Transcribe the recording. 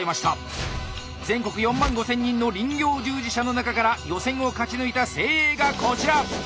全国４万５，０００人の林業従事者の中から予選を勝ち抜いた精鋭がこちら！